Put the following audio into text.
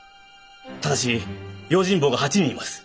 ただし用心棒が８人います。